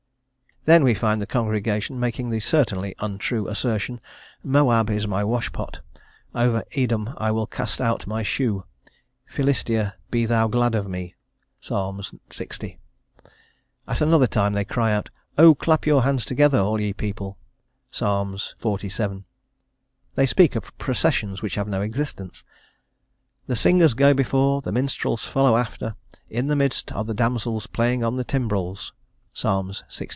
Then we find the congregation making the certainly untrue assertion: "Moab is my wash pot; over Edom will I cast out my shoe; Philistia, be thou glad of me" (Ps. lx.). At another time they cry out, "O, clap your hands together, all ye people" (Ps. xlvii.); they speak of processions which have no existence, "The singers go before, the minstrels follow after, in the midst are the damsels playing on the timbrels" (Ps. lxviii.).